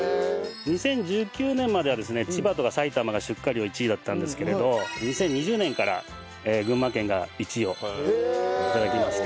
２０１９年まではですね千葉とか埼玉が出荷量１位だったんですけれど２０２０年から群馬県が１位を頂きまして。